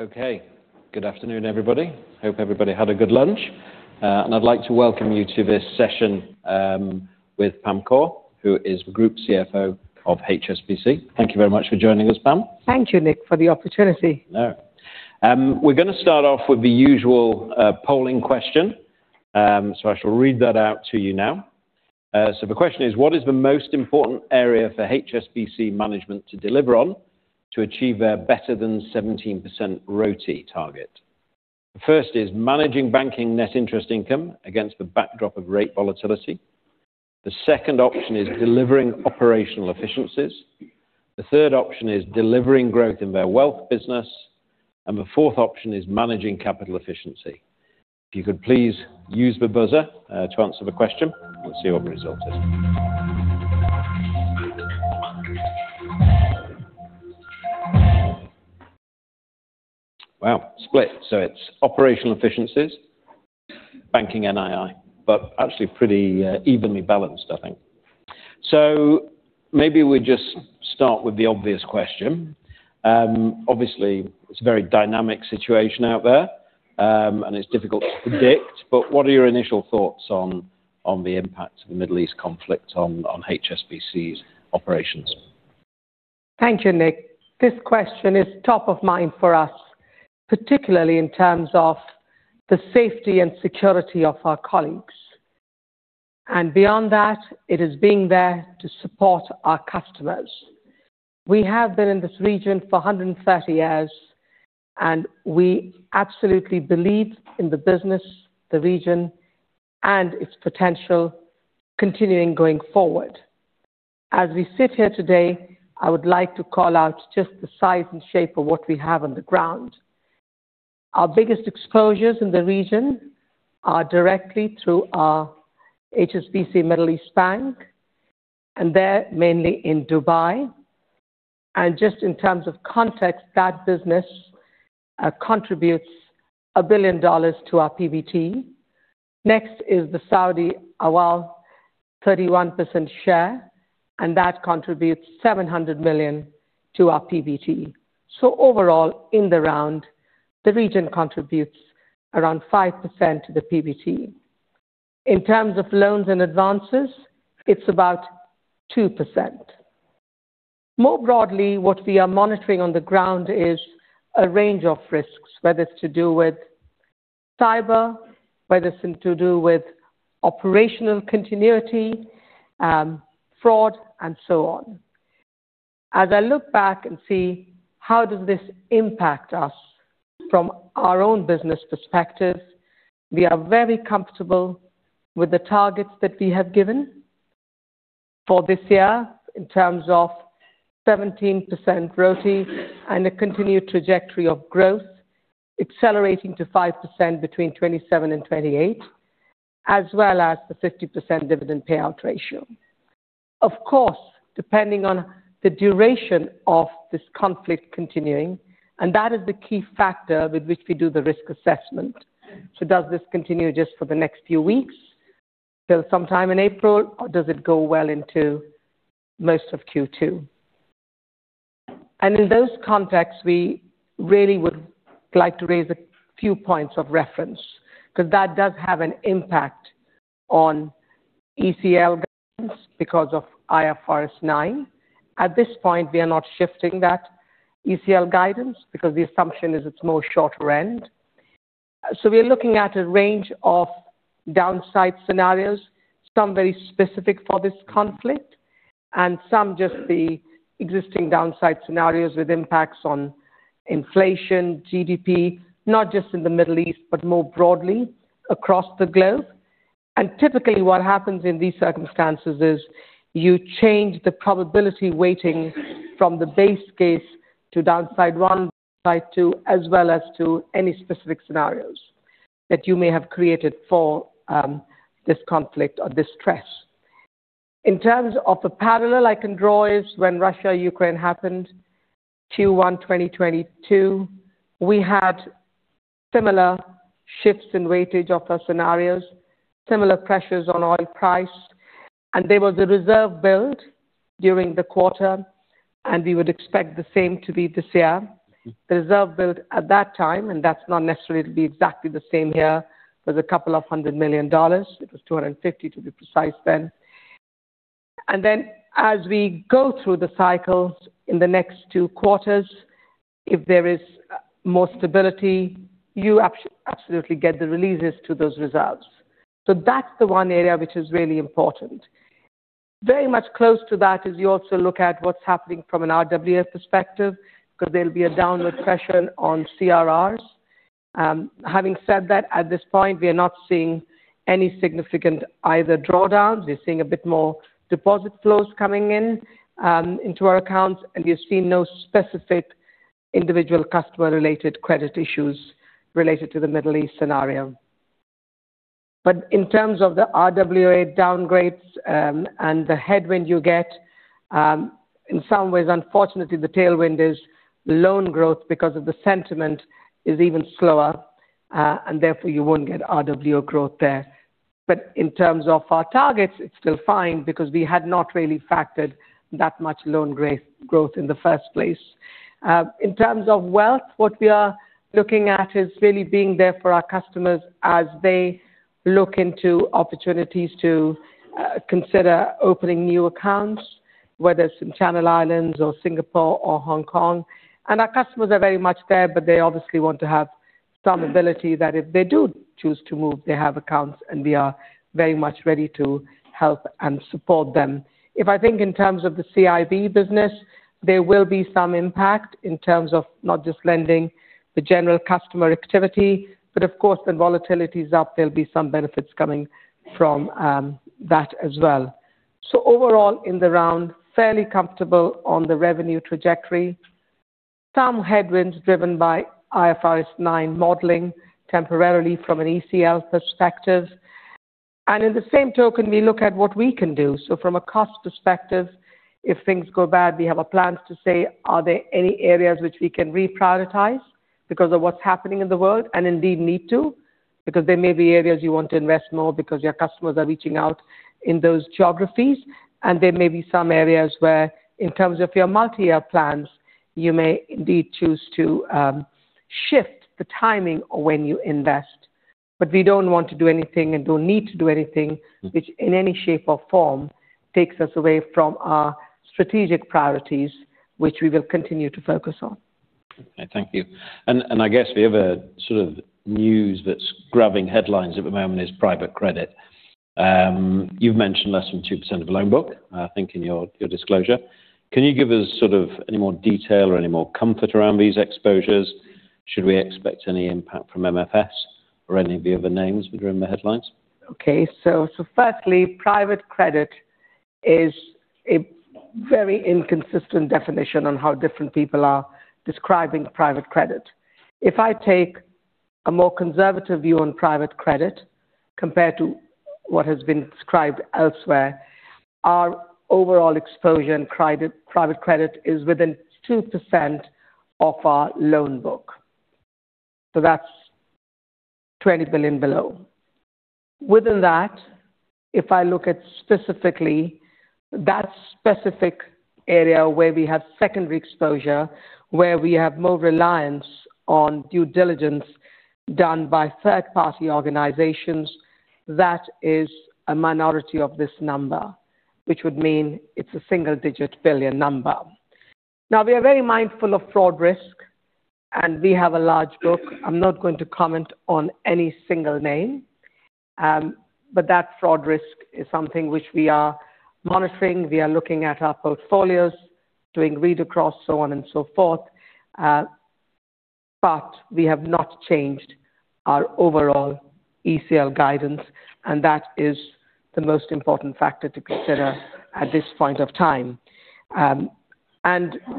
Okay. Good afternoon, everybody. Hope everybody had a good lunch. I'd like to welcome you to this session, with Pam Kaur, who is Group CFO of HSBC. Thank you very much for joining us, Pam. Thank you, Nick, for the opportunity. No. We're gonna start off with the usual polling question. I shall read that out to you now. The question is, what is the most important area for HSBC management to deliver on to achieve a better than 17% ROTE target? The first is managing banking net interest income against the backdrop of rate volatility. The second option is delivering operational efficiencies. The third option is delivering growth in their wealth business, and the fourth option is managing capital efficiency. If you could please use the buzzer to answer the question. Let's see what the result is. Wow. Split. It's operational efficiencies, banking NII, but actually pretty evenly balanced, I think. Maybe we just start with the obvious question. Obviously, it's a very dynamic situation out there, and it's difficult to predict, but what are your initial thoughts on the impact of the Middle East conflict on HSBC's operations? Thank you, Nick. This question is top of mind for us, particularly in terms of the safety and security of our colleagues. Beyond that, it is being there to support our customers. We have been in this region for 130 years, and we absolutely believe in the business, the region, and its potential continuing going forward. As we sit here today, I would like to call out just the size and shape of what we have on the ground. Our biggest exposures in the region are directly through our HSBC Bank Middle East, and they're mainly in Dubai. Just in terms of context, that business contributes $1 billion to our PBT. Next is the Saudi Awwal Bank 31% share, and that contributes $700 million to our PBT. Overall, in the round, the region contributes around 5% to the PBT. In terms of loans and advances, it's about 2%. More broadly, what we are monitoring on the ground is a range of risks, whether it's to do with cyber, whether it's to do with operational continuity, fraud, and so on. As I look back and see how does this impact us from our own business perspective, we are very comfortable with the targets that we have given for this year in terms of 17% ROTE and a continued trajectory of growth accelerating to 5% between 2027 and 2028, as well as the 50% dividend payout ratio. Of course, depending on the duration of this conflict continuing, and that is the key factor with which we do the risk assessment. Does this continue just for the next few weeks till sometime in April, or does it go well into most of Q2? In those contexts, we really would like to raise a few points of reference 'cause that does have an impact on ECL guidance because of IFRS 9. At this point, we are not shifting that ECL guidance because the assumption is it's more shorter end. We are looking at a range of downside scenarios, some very specific for this conflict and some just the existing downside scenarios with impacts on inflation, GDP, not just in the Middle East, but more broadly across the globe. Typically, what happens in these circumstances is you change the probability weighting from the base case to downside one, downside two, as well as to any specific scenarios that you may have created for this conflict or this stress. In terms of the parallel I can draw is when Russia, Ukraine happened, Q1 2022, we had similar shifts in weighting of our scenarios, similar pressures on oil price, and there was a reserve build during the quarter, and we would expect the same to be this year. The reserve build at that time, and that's not necessarily to be exactly the same here, was a couple of hundred million dollars. It was 250 to be precise then. As we go through the cycles in the next two quarters, if there is more stability, you absolutely get the releases to those reserves. That's the one area which is really important. Very much close to that is you also look at what's happening from an RWA perspective because there'll be a downward pressure on CRRs. Having said that, at this point, we are not seeing any significant either drawdowns. We're seeing a bit more deposit flows coming in into our accounts, and we've seen no specific individual customer-related credit issues related to the Middle East scenario. In terms of the RWA downgrades and the headwind you get, in some ways, unfortunately, the tailwind is loan growth because of the sentiment is even slower, and therefore you won't get RWA growth there. In terms of our targets, it's still fine because we had not really factored that much loan growth in the first place. In terms of wealth, what we are looking at is really being there for our customers as they look into opportunities to consider opening new accounts, whether it's in Channel Islands or Singapore or Hong Kong. Our customers are very much there, but they obviously want to have some ability that if they do choose to move, they have accounts, and we are very much ready to help and support them. If I think in terms of the CIB business, there will be some impact in terms of not just lending, the general customer activity, but of course, when volatility is up, there'll be some benefits coming from, that as well. Overall, in the round, fairly comfortable on the revenue trajectory. Some headwinds driven by IFRS 9 modeling temporarily from an ECL perspective. In the same token, we look at what we can do. From a cost perspective, if things go bad, we have a plan to say, are there any areas which we can reprioritize because of what's happening in the world and indeed need to, because there may be areas you want to invest more because your customers are reaching out in those geographies, and there may be some areas where, in terms of your multi-year plans, you may indeed choose to, shift the timing of when you invest. We don't want to do anything and don't need to do anything which in any shape or form takes us away from our strategic priorities, which we will continue to focus on. Okay. Thank you. I guess the other sort of news that's grabbing headlines at the moment is private credit. You've mentioned less than 2% of the loan book, I think in your disclosure. Can you give us sort of any more detail or any more comfort around these exposures? Should we expect any impact from MFS or any of the other names that are in the headlines? Okay. Firstly, private credit is a very inconsistent definition on how different people are describing private credit. If I take a more conservative view on private credit compared to what has been described elsewhere, our overall exposure in private credit is within 2% of our loan book. That's $20 billion below. Within that, if I look at specifically that specific area where we have secondary exposure, where we have more reliance on due diligence done by third-party organizations, that is a minority of this number, which would mean it's a single-digit billion number. Now, we are very mindful of fraud risk, and we have a large book. I'm not going to comment on any single name, but that fraud risk is something which we are monitoring. We are looking at our portfolios, doing read across, so on and so forth. We have not changed our overall ECL guidance, and that is the most important factor to consider at this point of time.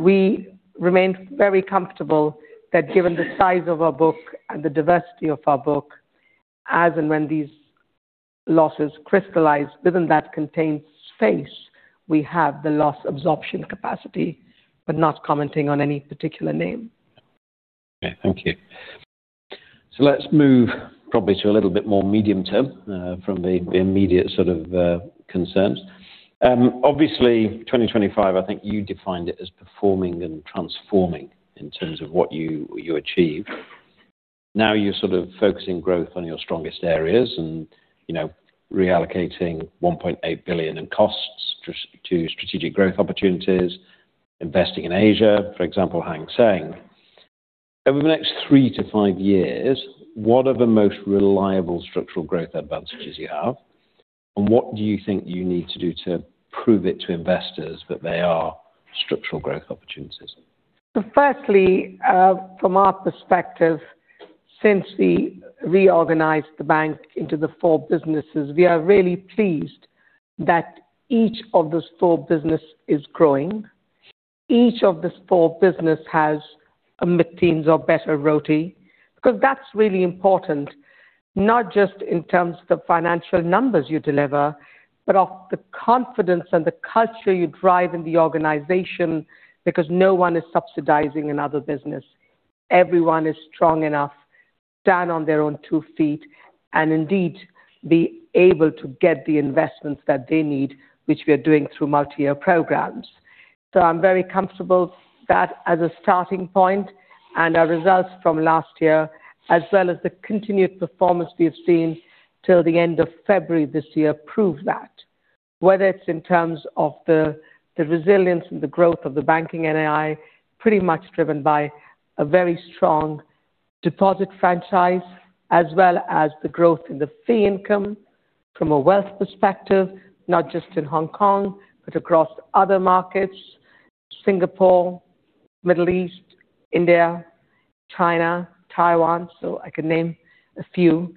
We remain very comfortable that given the size of our book and the diversity of our book, as and when these losses crystallize within that contained space, we have the loss absorption capacity, but not commenting on any particular name. Okay. Thank you. Let's move probably to a little bit more medium-term from the immediate sort of concerns. Obviously, 2025, I think you defined it as performing and transforming in terms of what you achieved. Now you're sort of focusing growth on your strongest areas and, you know, reallocating $1.8 billion in costs to strategic growth opportunities, investing in Asia, for example, Hang Seng. Over the next three to five years, what are the most reliable structural growth advantages you have? And what do you think you need to do to prove it to investors that they are structural growth opportunities? Firstly, from our perspective, since we reorganized the bank into the four businesses, we are really pleased that each of those four business is growing. Each of these four business has a mid-teens or better ROTE, because that's really important, not just in terms of the financial numbers you deliver, but of the confidence and the culture you drive in the organization because no one is subsidizing another business. Everyone is strong enough, stand on their own two feet, and indeed be able to get the investments that they need, which we are doing through multi-year programs. I'm very comfortable that as a starting point and our results from last year, as well as the continued performance we've seen till the end of February this year, prove that. Whether it's in terms of the resilience and the growth of the banking NII, pretty much driven by a very strong deposit franchise, as well as the growth in the fee income from a wealth perspective, not just in Hong Kong, but across other markets, Singapore, Middle East, India, China, Taiwan. I can name a few.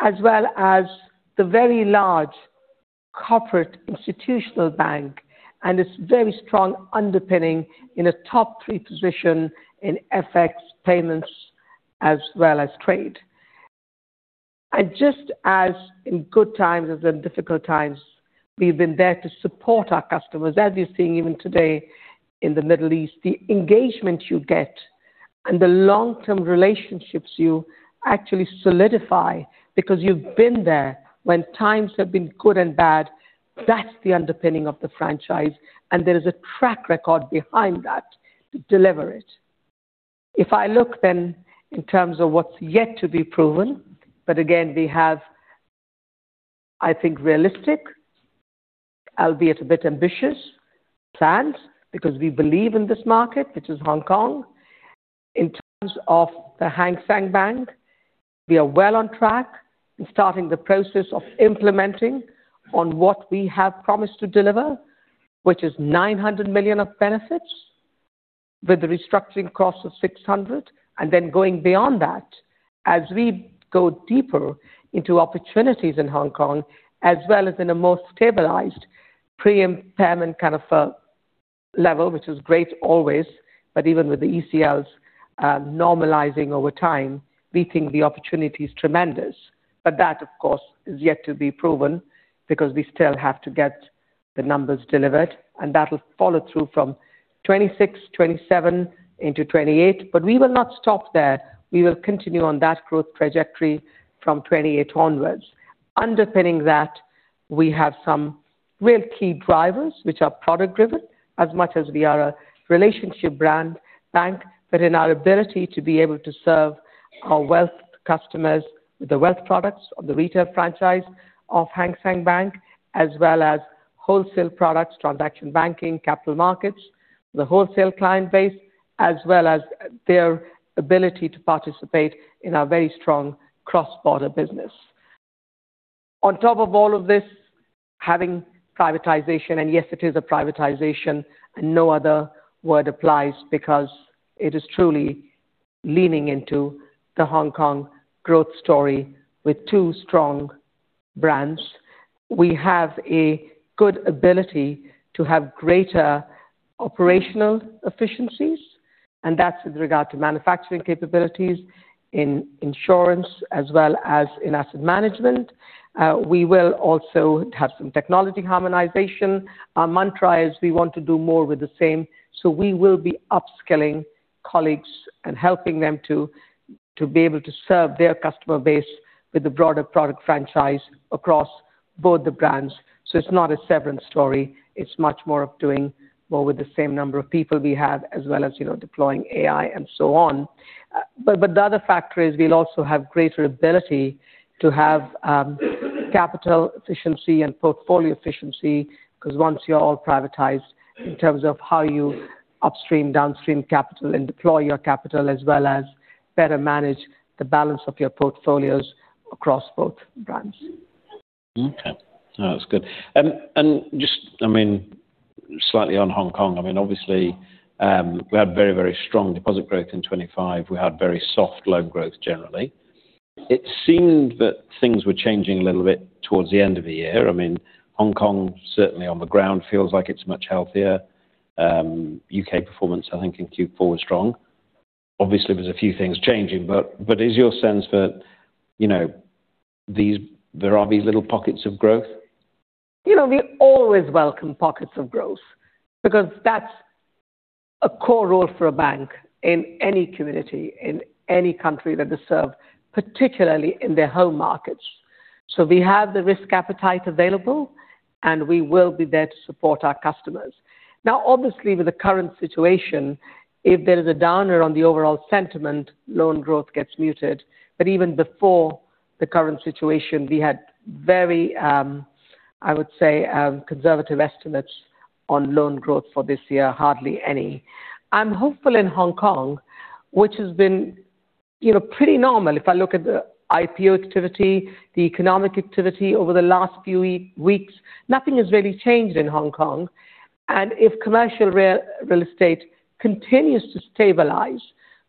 As well as the very large corporate institutional bank and its very strong underpinning in a top three position in FX payments as well as trade. Just as in good times as in difficult times, we've been there to support our customers. As you're seeing even today in the Middle East, the engagement you get and the long-term relationships you actually solidify because you've been there when times have been good and bad, that's the underpinning of the franchise. There is a track record behind that to deliver it. If I look then in terms of what's yet to be proven, but again, we have, I think, realistic, albeit a bit ambitious plans because we believe in this market, which is Hong Kong. In terms of the Hang Seng Bank, we are well on track in starting the process of implementing on what we have promised to deliver, which is $900 million of benefits with the restructuring cost of $600 million. Then going beyond that, as we go deeper into opportunities in Hong Kong as well as in a more stabilized pre-impairment kind of level, which is great always. Even with the ECLs normalizing over time, we think the opportunity is tremendous. That, of course, is yet to be proven because we still have to get the numbers delivered, and that will follow through from 2026, 2027 into 2028. We will not stop there. We will continue on that growth trajectory from 28 onwards. Underpinning that, we have some real key drivers which are product driven as much as we are a relationship brand bank, but in our ability to be able to serve our wealth customers with the wealth products of the retail franchise of Hang Seng Bank, as well as wholesale products, transaction banking, capital markets, the wholesale client base, as well as their ability to participate in our very strong cross-border business. On top of all of this, having privatization, and yes, it is a privatization and no other word applies because it is truly leaning into the Hong Kong growth story with two strong brands. We have a good ability to have greater operational efficiencies, and that's with regard to manufacturing capabilities in insurance as well as in asset management. We will also have some technology harmonization. Our mantra is we want to do more with the same, so we will be upskilling colleagues and helping them to be able to serve their customer base with the broader product franchise across both the brands. It's not a severance story. It's much more of doing more with the same number of people we have, as well as, you know, deploying AI and so on. The other factor is we'll also have greater ability to have capital efficiency and portfolio efficiency, 'cause once you're all privatized in terms of how you upstream, downstream capital and deploy your capital, as well as better manage the balance of your portfolios across both brands. Okay. No, that's good. Just, I mean, slightly on Hong Kong, I mean, obviously, we had very, very strong deposit growth in 2025. We had very soft loan growth generally. It seemed that things were changing a little bit towards the end of the year. I mean, Hong Kong certainly on the ground feels like it's much healthier. U.K. performance, I think in Q4 was strong. Obviously, there's a few things changing, but is your sense that, you know, there are these little pockets of growth? You know, we always welcome pockets of growth because that's a core role for a bank in any community, in any country that they serve, particularly in their home markets. We have the risk appetite available, and we will be there to support our customers. Now, obviously, with the current situation, if there is a downer on the overall sentiment, loan growth gets muted. Even before the current situation, we had very, I would say, conservative estimates on loan growth for this year, hardly any. I'm hopeful in Hong Kong, which has been, you know, pretty normal. If I look at the IPO activity, the economic activity over the last few weeks, nothing has really changed in Hong Kong. If commercial real estate continues to stabilize,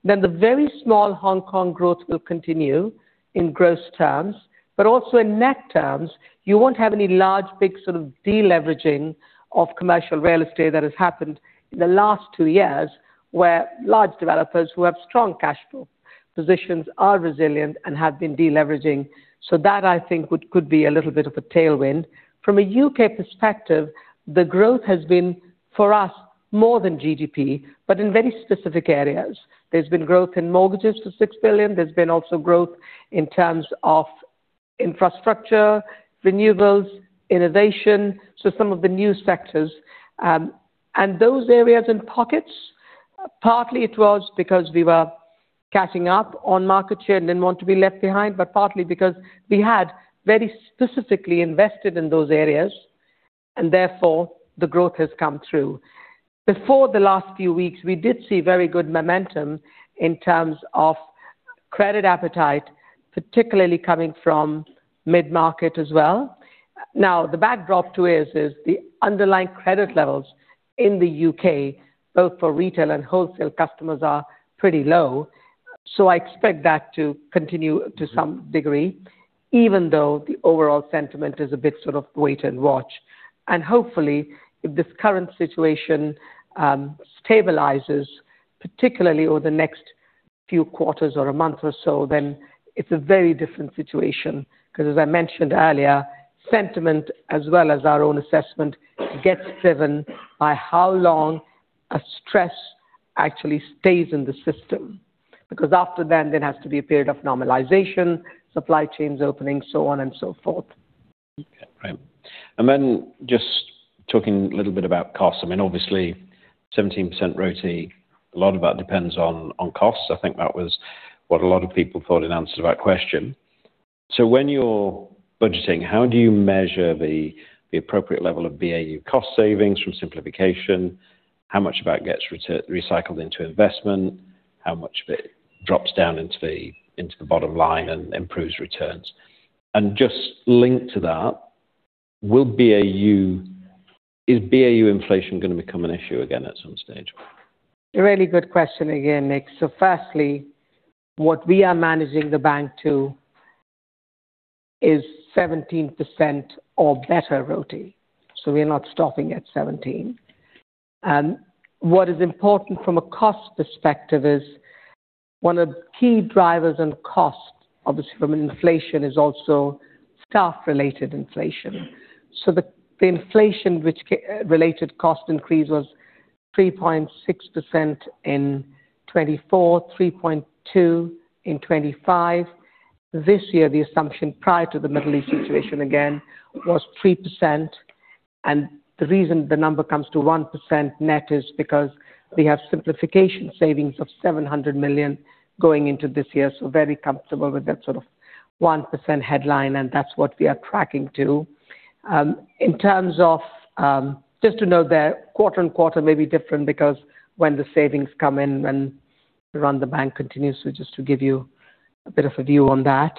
then the very small Hong Kong growth will continue in gross terms. Also in net terms, you won't have any large, big sort of deleveraging of commercial real estate that has happened in the last two years, where large developers who have strong cash flow positions are resilient and have been deleveraging. That, I think would, could be a little bit of a tailwind. From a U.K. perspective, the growth has been, for us, more than GDP, but in very specific areas. There's been growth in mortgages to $6 billion. There's been also growth in terms of infrastructure, renewables, innovation, so some of the new sectors. Those areas in pockets, partly it was because we were catching up on market share and didn't want to be left behind, but partly because we had very specifically invested in those areas and therefore the growth has come through. Before the last few weeks, we did see very good momentum in terms of credit appetite, particularly coming from mid-market as well. Now, the backdrop to this is the underlying credit levels in the U.K., both for retail and wholesale customers, are pretty low. I expect that to continue to some degree, even though the overall sentiment is a bit sort of wait and watch. Hopefully, if this current situation stabilizes, particularly over the next few quarters or a month or so, then it's a very different situation. 'Cause as I mentioned earlier, sentiment as well as our own assessment gets driven by how long a stress actually stays in the system. Because after then, there has to be a period of normalization, supply chains opening, so on and so forth. Just talking a little bit about cost, I mean, obviously 17% ROTE, a lot of that depends on costs. I think that was what a lot of people thought in answer to that question. When you're budgeting, how do you measure the appropriate level of BAU cost savings from simplification? How much of that gets recycled into investment? How much of it drops down into the bottom line and improves returns? Just linked to that, will BAU inflation gonna become an issue again at some stage? A really good question again, Nick. Firstly, what we are managing the bank to is 17% or better ROTE, so we're not stopping at 17. What is important from a cost perspective is one of the key drivers of costs, obviously from inflation, is also staff-related inflation. The inflation related cost increase was 3.6% in 2024, 3.2% in 2025. This year, the assumption prior to the Middle East situation again was 3%. The reason the number comes to 1% net is because we have simplification savings of $700 million going into this year. Very comfortable with that sort of 1% headline, and that's what we are tracking to. In terms of, Just to note that quarter and quarter may be different because when the savings come in, when we run the bank continues, just to give you a bit of a view on that.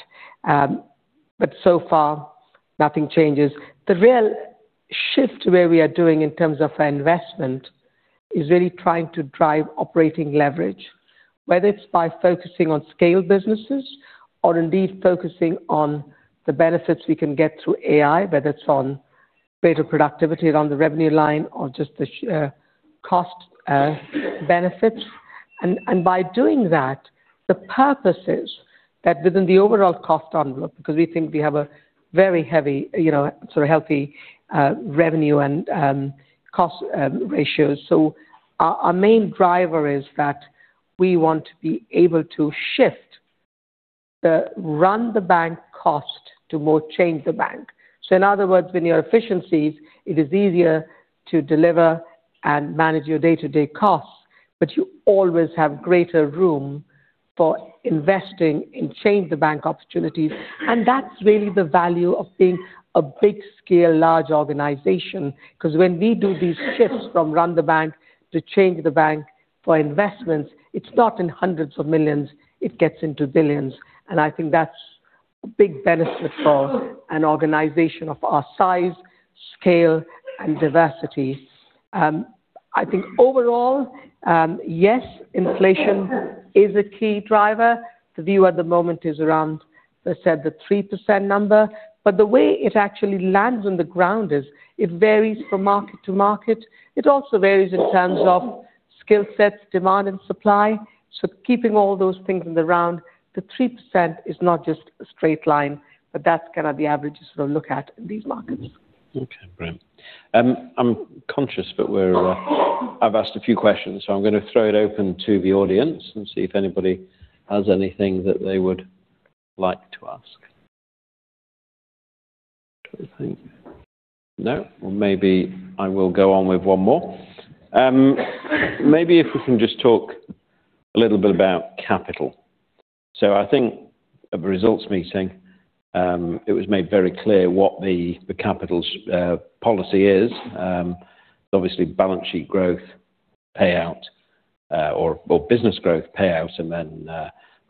So far, nothing changes. The real shift where we are doing in terms of our investment is really trying to drive operating leverage, whether it's by focusing on scale businesses or indeed focusing on the benefits we can get through AI, whether it's on greater productivity around the revenue line or just the cost benefits. By doing that, the purpose is that within the overall cost envelope, because we think we have a very heavy, you know, sort of healthy, revenue and cost ratios. Our main driver is that we want to be able to shift the run-the-bank costs to change-the-bank. In other words, when you have efficiencies, it is easier to deliver and manage your day-to-day costs, but you always have greater room for investing in change-the-bank opportunities. That's really the value of being a big-scale, large organization, 'cause when we do these shifts from run-the-bank to change-the-bank for investments, it's not in hundreds of millions, it gets into billions. I think that's a big benefit for an organization of our size, scale, and diversity. I think overall, yes, inflation is a key driver. The view at the moment is around, as I said, the 3% number. The way it actually lands on the ground is, it varies from market to market. It also varies in terms of skill sets, demand and supply. Keeping all those things in the round, the 3% is not just a straight line, but that's kinda the average sort of look at in these markets. Okay. Great. I'm conscious that we're, I've asked a few questions, so I'm gonna throw it open to the audience and see if anybody has anything that they would like to ask. I think. No? Or maybe I will go on with one more. Maybe if we can just talk a little bit about capital. I think at the results meeting, it was made very clear what the capital's policy is. Obviously balance sheet growth, payout, or business growth payout and then,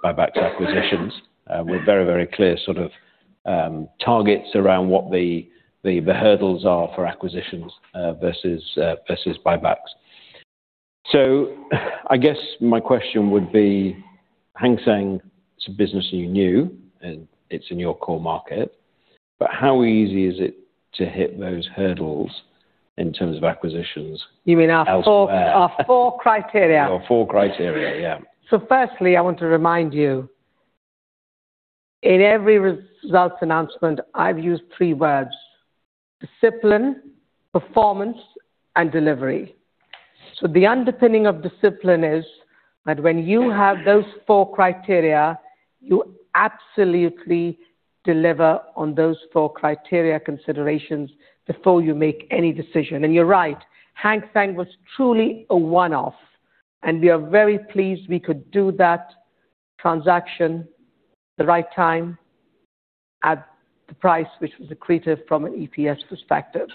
buyback acquisitions, with very clear sort of targets around what the hurdles are for acquisitions, versus buybacks. I guess my question would be, Hang Seng is a business you knew, and it's in your core market. How easy is it to hit those hurdles in terms of acquisitions? You mean our four- elsewhere? Our four criteria. Your four criteria. Yeah. Firstly, I want to remind you. In every results announcement, I've used three words: discipline, performance, and delivery. The underpinning of discipline is that when you have those four criteria, you absolutely deliver on those four criteria considerations before you make any decision. You're right, Hang Seng was truly a one-off, and we are very pleased we could do that transaction at the right time at the price which was accretive from an EPS perspective.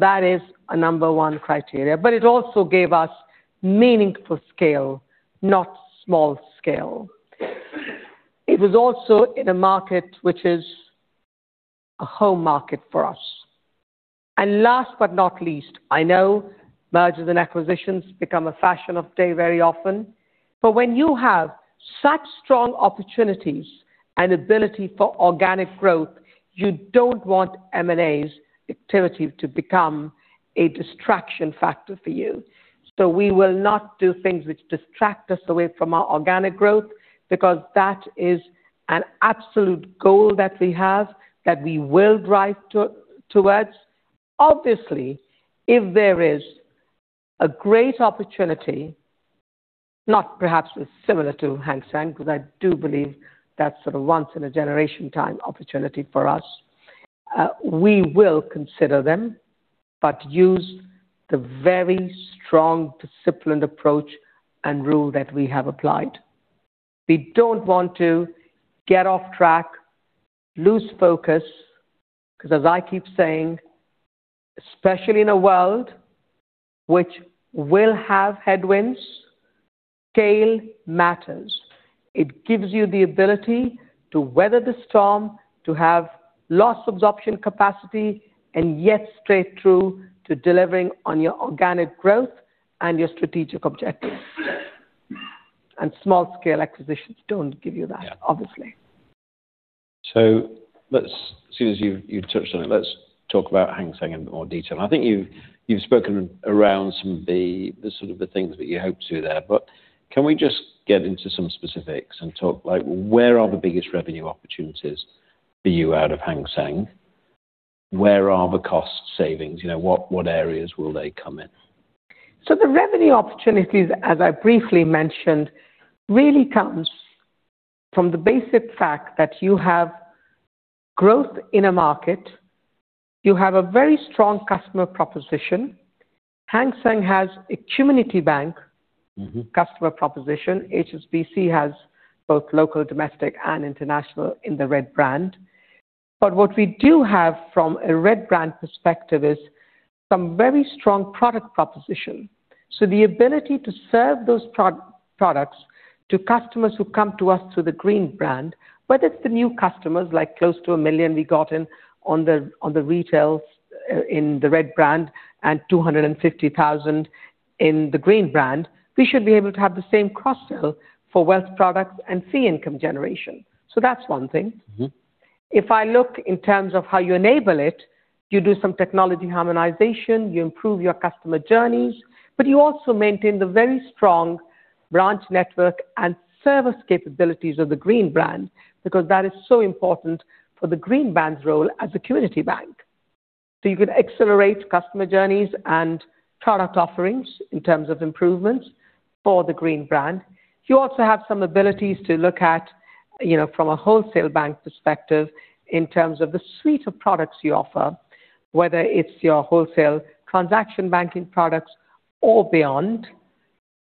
That is a number one criteria. It also gave us meaningful scale, not small scale. It was also in a market which is a home market for us. Last but not least, I know mergers and acquisitions become a fashion of the day very often. When you have such strong opportunities and ability for organic growth, you don't want M&As activity to become a distraction factor for you. We will not do things which distract us away from our organic growth, because that is an absolute goal that we have that we will drive towards. Obviously, if there is a great opportunity, not perhaps similar to Hang Seng, 'cause I do believe that's a once in a generation kind of opportunity for us, we will consider them, but use the very strong disciplined approach and rule that we have applied. We don't want to get off track, lose focus, 'cause as I keep saying, especially in a world which will have headwinds, scale matters. It gives you the ability to weather the storm, to have loss absorption capacity, and yet stay true to delivering on your organic growth and your strategic objectives. Small scale acquisitions don't give you that, obviously. Seeing as you touched on it, let's talk about Hang Seng in more detail. I think you've spoken around some of the sort of things that you hope to there. Can we just get into some specifics and talk like where are the biggest revenue opportunities for you out of Hang Seng? Where are the cost savings? You know, what areas will they come in? The revenue opportunities, as I briefly mentioned, really comes from the basic fact that you have growth in a market, you have a very strong customer proposition. Hang Seng has a community bank customer proposition. HSBC has both local, domestic, and international in the Red brand. What we do have from a Red brand perspective is some very strong product proposition. The ability to serve those products to customers who come to us through the Green brand, whether it's the new customers, like close to 1 million we got in on the retail side in the Red brand and 250,000 in the Green brand, we should be able to have the same cross-sell for wealth products and fee income generation. That's one thing. If I look in terms of how you enable it, you do some technology harmonization, you improve your customer journeys, but you also maintain the very strong branch network and service capabilities of the Green brand, because that is so important for the Green brand's role as a community bank. You can accelerate customer journeys and product offerings in terms of improvements for the Green brand. You also have some abilities to look at, you know, from a wholesale bank perspective in terms of the suite of products you offer, whether it's your wholesale transaction banking products or beyond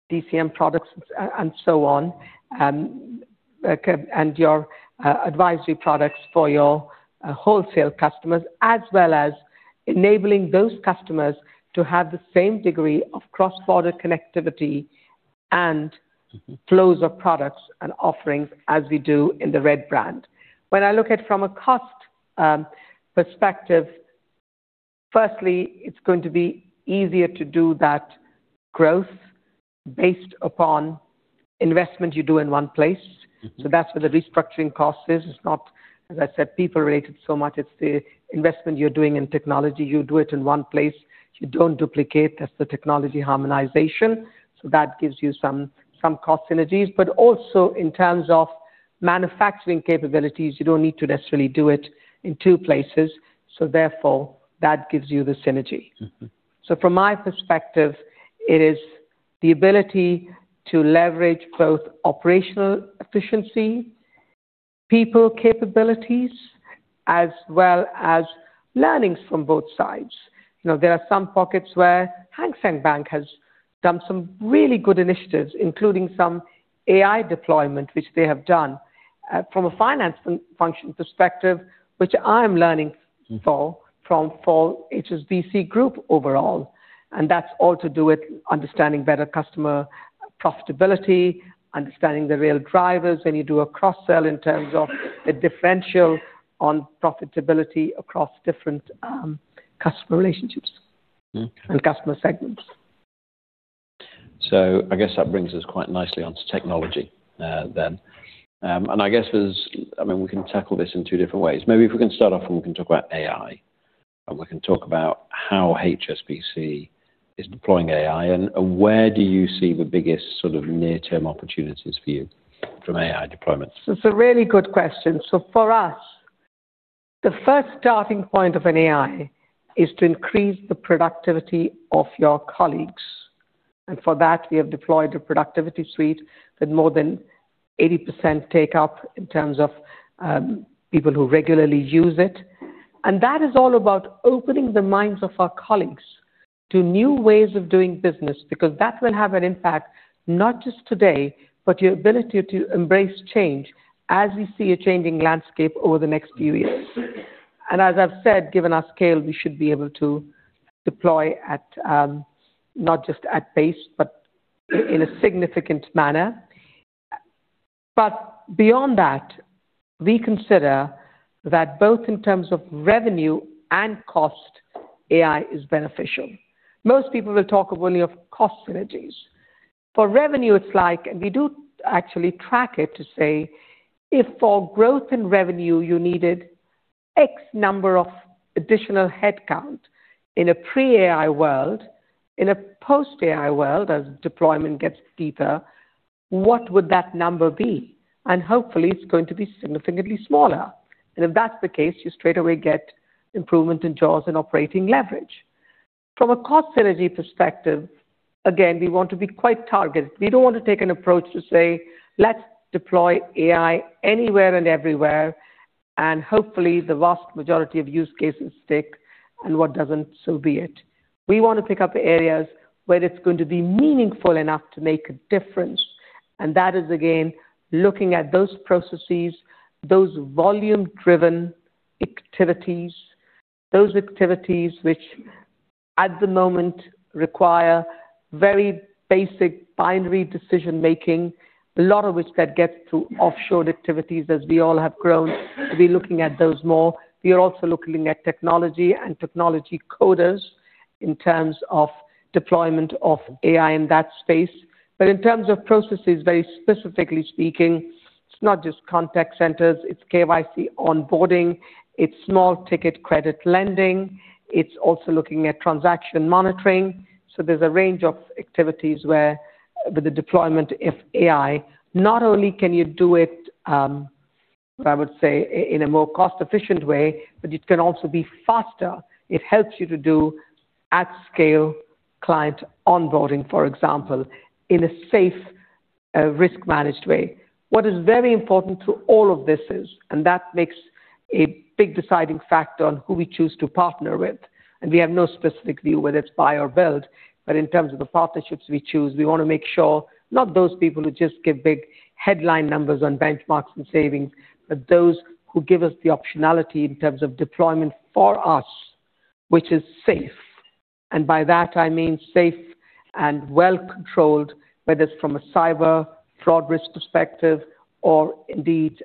DCM products and so on, okay, and your advisory products for your wholesale customers, as well as enabling those customers to have the same degree of cross-border connectivity and flows of products and offerings as we do in the HSBC Red. When I look at from a cost perspective, firstly, it's going to be easier to do that growth based upon investment you do in one place. That's where the restructuring cost is. It's not, as I said, people related so much. It's the investment you're doing in technology. You do it in one place. You don't duplicate. That's the technology harmonization. That gives you some cost synergies. Also in terms of manufacturing capabilities, you don't need to necessarily do it in two places, so therefore, that gives you the synergy. From my perspective, it is the ability to leverage both operational efficiency, people capabilities, as well as learnings from both sides. You know, there are some pockets where Hang Seng Bank has done some really good initiatives, including some AI deployment, which they have done, from a finance function perspective, which I'm learning for. For HSBC Group overall. That's all to do with understanding better customer profitability, understanding the real drivers when you do a cross-sell in terms of the differential on profitability across different customer relationships. Customer segments. I guess that brings us quite nicely onto technology, then. I mean, we can tackle this in two different ways. Maybe if we can start off and we can talk about AI, and we can talk about how HSBC is deploying AI and where do you see the biggest sort of near-term opportunities for you from AI deployments? It's a really good question. For us, the first starting point of AI is to increase the productivity of your colleagues. For that, we have deployed a productivity suite with more than 80% take up in terms of people who regularly use it. That is all about opening the minds of our colleagues to new ways of doing business, because that will have an impact, not just today, but your ability to embrace change as we see a changing landscape over the next few years. As I've said, given our scale, we should be able to deploy at not just at pace, but in a significant manner. Beyond that, we consider that both in terms of revenue and cost, AI is beneficial. Most people will talk of only cost synergies. For revenue, it's like we do actually track it to say if for growth and revenue you needed X number of additional headcount in a pre-AI world, in a post-AI world, as deployment gets deeper, what would that number be? Hopefully, it's going to be significantly smaller. If that's the case, you straightaway get improvement in jaws and operating leverage. From a cost synergy perspective, again, we want to be quite targeted. We don't want to take an approach to say, "Let's deploy AI anywhere and everywhere, and hopefully the vast majority of use cases stick, and what doesn't, so be it." We wanna pick up areas where it's going to be meaningful enough to make a difference. That is, again, looking at those processes, those volume-driven activities, those activities which at the moment require very basic binary decision-making, a lot of which that gets to offshored activities as we all have grown. We're looking at those more. We are also looking at technology and technology coders in terms of deployment of AI in that space. In terms of processes, very specifically speaking, it's not just contact centers, it's KYC onboarding, it's small ticket credit lending, it's also looking at transaction monitoring. There's a range of activities where with the deployment of AI, not only can you do it, I would say in a more cost-efficient way, but it can also be faster. It helps you to do at scale client onboarding, for example, in a safe, risk managed way. What is very important to all of this is, and that makes a big deciding factor on who we choose to partner with, and we have no specific view whether it's buy or build. In terms of the partnerships we choose, we wanna make sure not those people who just give big headline numbers on benchmarks and savings, but those who give us the optionality in terms of deployment for us, which is safe. By that, I mean safe and well controlled, whether it's from a cyber fraud risk perspective or indeed,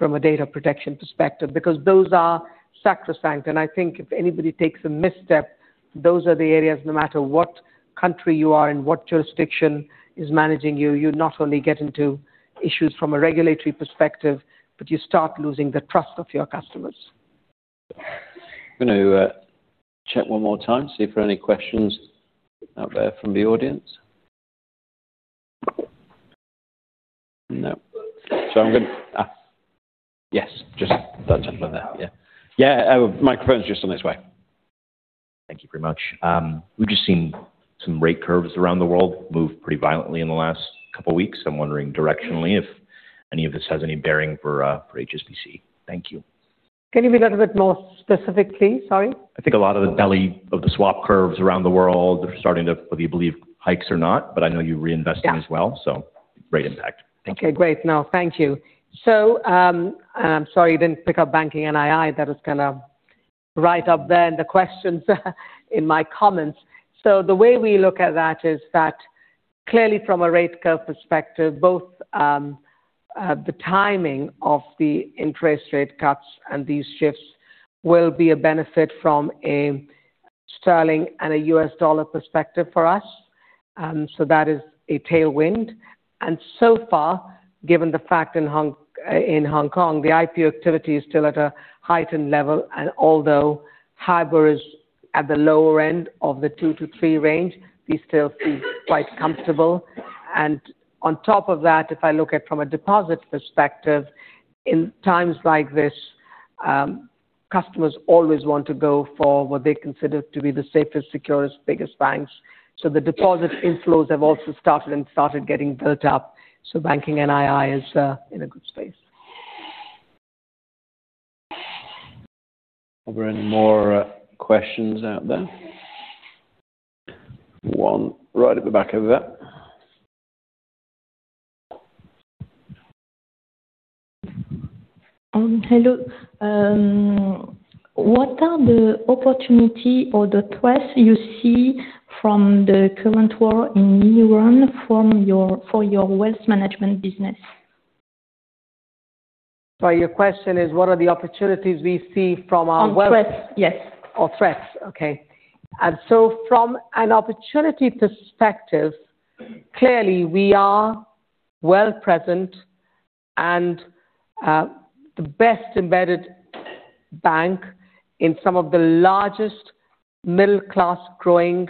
from a data protection perspective. Because those are sacrosanct, and I think if anybody takes a misstep, those are the areas, no matter what country you are, in what jurisdiction is managing you not only get into issues from a regulatory perspective, but you start losing the trust of your customers. I'm gonna check one more time, see if there are any questions out there from the audience. No. Yes. Just that gentleman there. Yeah. Yeah, a microphone is just on its way. Thank you very much. We've just seen some rate curves around the world move pretty violently in the last couple weeks. I'm wondering directionally if any of this has any bearing for HSBC. Thank you. Can you be a little bit more specific, please? Sorry. I think a lot of the belly of the swap curves around the world are starting to weather whether you believe hikes or not, but I know you're reinvesting as well. Yeah. Great impact. Thank you. Okay, great. No, thank you. I'm sorry you didn't pick up banking NII. That is kinda right up there in the questions in my comments. The way we look at that is that clearly from a rate curve perspective, both, the timing of the interest rate cuts and these shifts will be a benefit from a sterling and a US dollar perspective for us. That is a tailwind. So far, given the fact in Hong Kong, the IPO activity is still at a heightened level. Although hybrid is at the lower end of the two to three range, we still feel quite comfortable. On top of that, if I look at from a deposit perspective, in times like this, customers always want to go for what they consider to be the safest, securest, biggest banks. The deposit inflows have also started getting built up. Banking NII is in a good space. Are there any more, questions out there? One right at the back over there. Hello. What are the opportunity or the threats you see from the current war in Iran for your wealth management business? Your question is, what are the opportunities we see from our wealth- On threats. Yes. Threats. Okay. From an opportunity perspective, clearly, we are well present and the best embedded bank in some of the largest middle class growing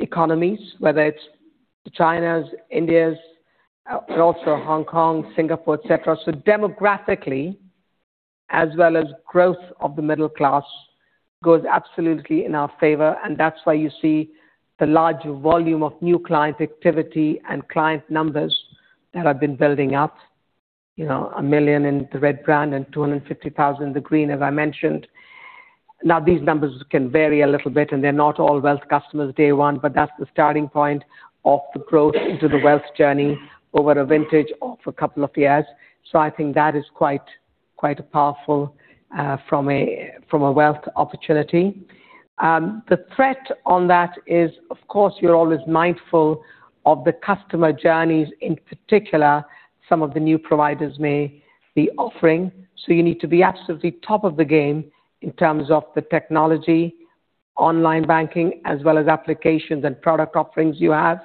economies, whether it's China's, India's, but also Hong Kong, Singapore, etc. Demographically, as well as growth of the middle class goes absolutely in our favor, and that's why you see the large volume of new client activity and client numbers that have been building up. You know, 1 million in the Red brand and 250,000 in the Green brand, as I mentioned. Now, these numbers can vary a little bit, and they're not all wealth customers day one, but that's the starting point of the growth into the wealth journey over a vintage of a couple of years. I think that is quite a powerful from a wealth opportunity. The threat on that is, of course, you're always mindful of the customer journeys, in particular, some of the new providers may be offering. You need to be absolutely top of the game in terms of the technology, online banking, as well as applications and product offerings you have.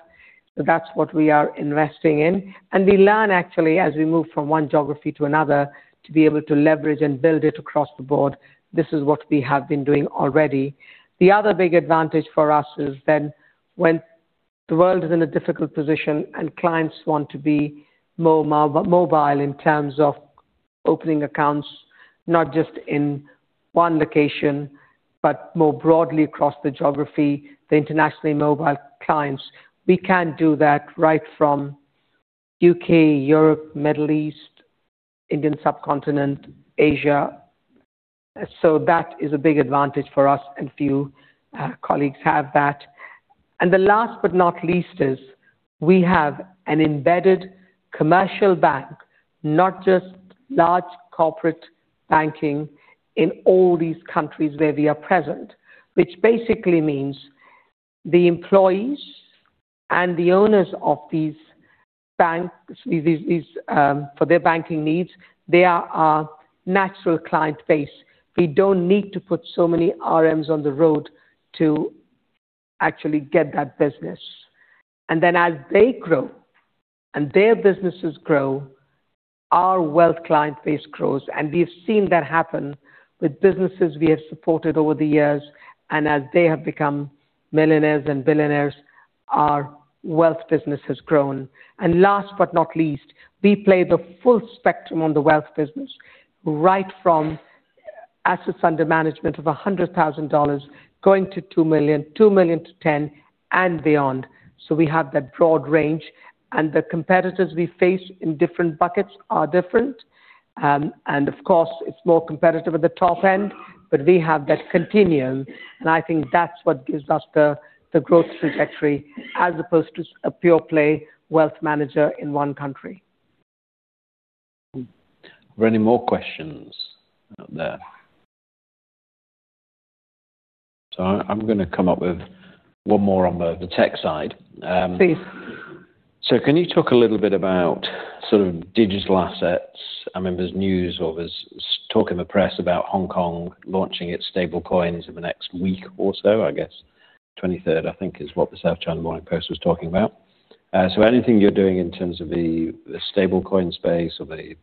That's what we are investing in. We learn actually as we move from one geography to another to be able to leverage and build it across the board. This is what we have been doing already. The other big advantage for us is then when the world is in a difficult position and clients want to be more mobile in terms of opening accounts, not just in one location, but more broadly across the geography, the internationally mobile clients, we can do that right from UK, Europe, Middle East, Indian subcontinent, Asia. That is a big advantage for us, and few colleagues have that. The last but not least is we have an embedded commercial bank, not just large corporate banking in all these countries where we are present, which basically means the employees and the owners of these banks for their banking needs, they are our natural client base. We don't need to put so many RMs on the road to actually get that business. As they grow and their businesses grow, our wealth client base grows. We've seen that happen with businesses we have supported over the years. As they have become millionaires and billionaires, our wealth business has grown. Last but not least, we play the full spectrum on the wealth business, right from assets under management of $100,000 going to $2 million, $2 million-$10 million and beyond. We have that broad range. The competitors we face in different buckets are different. Of course, it's more competitive at the top end. We have that continuum, and I think that's what gives us the growth trajectory as opposed to a pure play wealth manager in one country. Were there any more questions out there? I'm gonna come up with one more on the tech side. Please. Can you talk a little bit about sort of digital assets? I mean, there's news or there's talk in the press about Hong Kong launching its stablecoins in the next week or so, I guess. 23rd, I think, is what the South China Morning Post was talking about. Anything you're doing in terms of the stablecoin space or the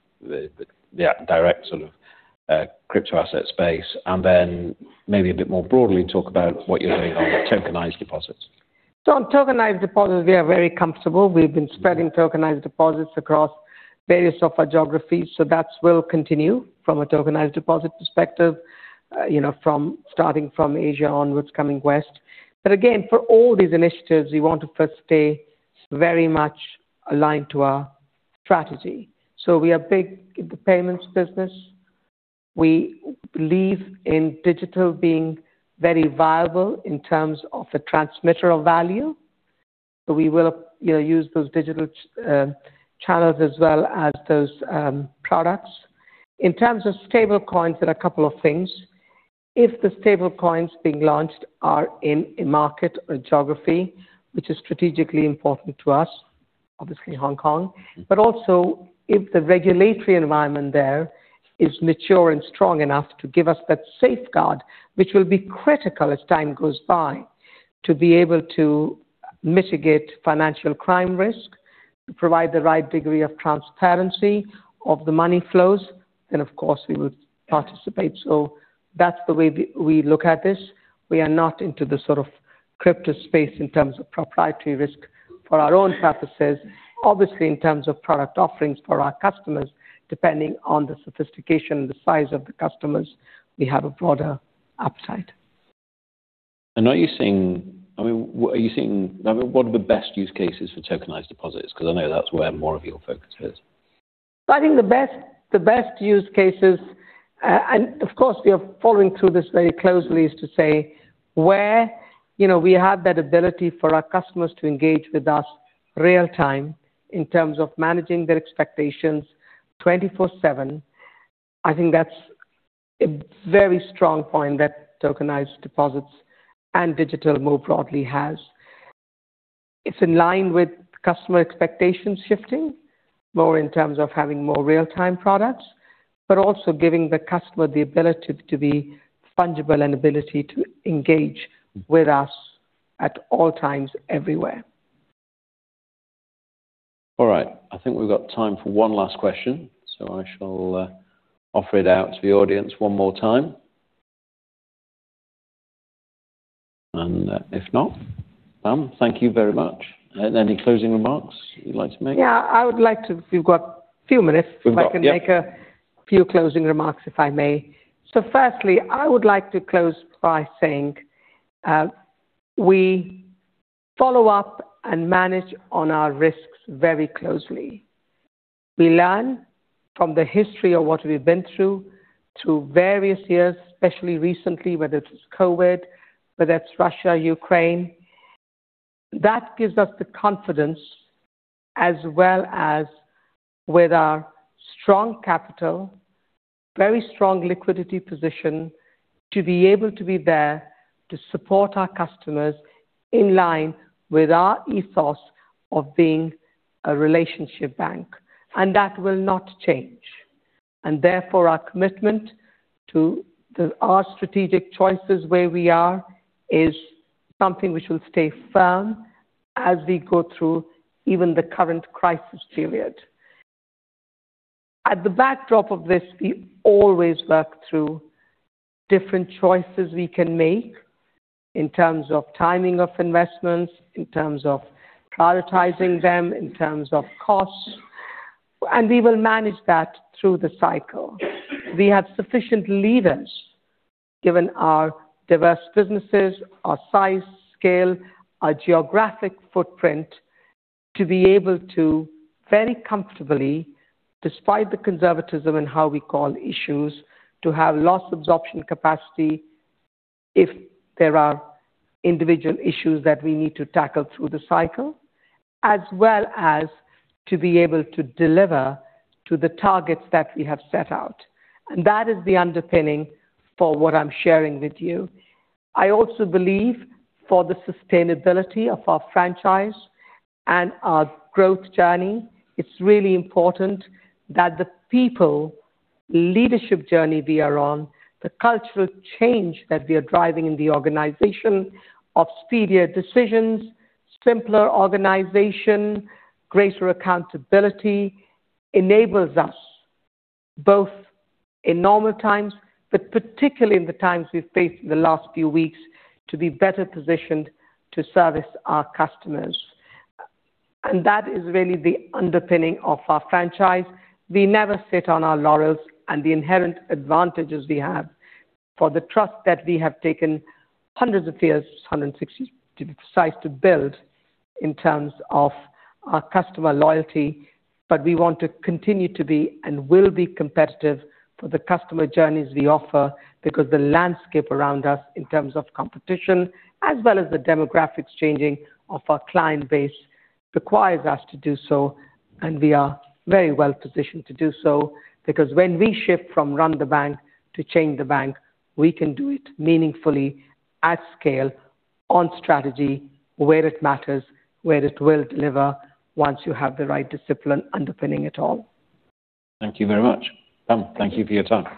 direct sort of crypto asset space, and then maybe a bit more broadly talk about what you're doing on tokenized deposits. On tokenized deposits, we are very comfortable. We've been spreading tokenized deposits across various of our geographies, so that will continue from a tokenized deposit perspective, you know, from starting from Asia onwards coming west. Again, for all these initiatives, we want to first stay very much aligned to our strategy. We are big in the payments business. We believe in digital being very viable in terms of the transmitter of value. We will, you know, use those digital channels as well as those products. In terms of stablecoins, there are a couple of things. If the stablecoins being launched are in a market or geography which is strategically important to us, obviously Hong Kong. Also if the regulatory environment there is mature and strong enough to give us that safeguard, which will be critical as time goes by, to be able to mitigate financial crime risk, provide the right degree of transparency of the money flows, then of course we would participate. That's the way we look at this. We are not into the sort of crypto space in terms of proprietary risk for our own purposes. Obviously, in terms of product offerings for our customers, depending on the sophistication and the size of the customers, we have a broader upside. Are you seeing, I mean, what are the best use cases for tokenized deposits? 'Cause I know that's where more of your focus is. I think the best use cases, and of course, we are following through this very closely, is to say where, you know, we have that ability for our customers to engage with us real-time in terms of managing their expectations 24/7. I think that's a very strong point that tokenized deposits and digital more broadly has. It's in line with customer expectations shifting more in terms of having more real-time products, but also giving the customer the ability to be fungible and ability to engage with us at all times everywhere. All right. I think we've got time for one last question. I shall offer it out to the audience one more time. If not, ma'am, thank you very much. Any closing remarks you'd like to make? Yeah. We've got few minutes. We've got, yep. If I can make a few closing remarks, if I may. Firstly, I would like to close by saying, we follow up and manage on our risks very closely. We learn from the history of what we've been through various years, especially recently, whether it's COVID, whether it's Russia, Ukraine. That gives us the confidence as well as with our strong capital, very strong liquidity position, to be able to be there to support our customers in line with our ethos of being a relationship bank. That will not change. Therefore, our commitment to our strategic choices where we are is something which will stay firm as we go through even the current crisis period. At the backdrop of this, we always work through different choices we can make in terms of timing of investments, in terms of prioritizing them, in terms of costs, and we will manage that through the cycle. We have sufficient levers, given our diverse businesses, our size, scale, our geographic footprint, to be able to very comfortably, despite the conservatism in how we call issues to have loss absorption capacity if there are individual issues that we need to tackle through the cycle, as well as to be able to deliver to the targets that we have set out. That is the underpinning for what I'm sharing with you. I also believe for the sustainability of our franchise and our growth journey, it's really important that the people leadership journey we are on, the cultural change that we are driving in the organization of speedier decisions, simpler organization, greater accountability enables us both in normal times, but particularly in the times we've faced in the last few weeks, to be better positioned to service our customers. That is really the underpinning of our franchise. We never sit on our laurels and the inherent advantages we have from the trust that we have taken hundreds of years, 160, to build in terms of our customer loyalty. We want to continue to be and will be competitive for the customer journeys we offer because the landscape around us in terms of competition as well as the demographics changing of our client base requires us to do so. We are very well positioned to do so because when we shift from run the bank to change the bank, we can do it meaningfully at scale on strategy where it matters, where it will deliver, once you have the right discipline underpinning it all. Thank you very much. Thank you for your time.